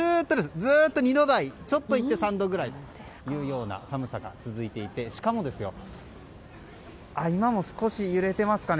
ずっと２度台ちょっといって３度ぐらいという寒さが続いていて今も少し揺れていますかね